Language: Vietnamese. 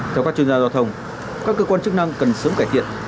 theo các chuyên gia giao thông các cơ quan chức năng cần sớm cải thiện